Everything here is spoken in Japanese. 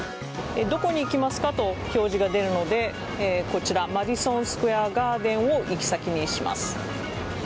どこに行きますかと表示が出るのでマディソン・スクエア・ガーデンを行き先にします。